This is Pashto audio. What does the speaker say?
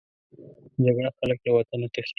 جګړه خلک له وطنه تښتي